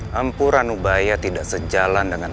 mumpuranubaya tidak sejalan dengan